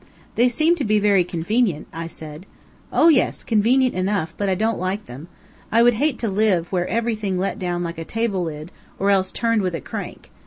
"They seem to be very convenient," I said. "Oh yes, convenient enough, but I don't like them. I would hate to live where everything let down like a table lid, or else turned with a crank.